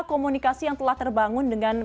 komunikasi yang telah terbangun dengan